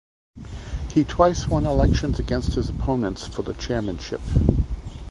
He twice won elections against his opponents for the chairmanship.